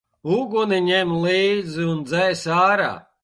Uguni ņem līdz un dzēs ārā!